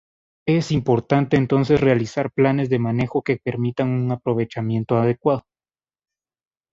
Es importante entonces realizar planes de manejo que permitan un aprovechamiento adecuado.